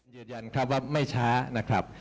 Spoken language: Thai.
ยืนยันครับว่าไม่ช้านะครับ